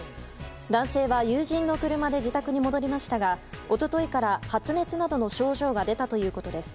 男性は友人の車で自宅に戻りましたが一昨日から発熱などの症状が出たということです。